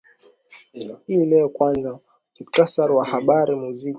ii leo kwanza muktasari wa habari muziki